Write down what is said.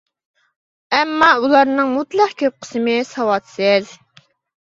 ئەمما ئۇلارنىڭ مۇتلەق كۆپ قىسمى ساۋاتسىز.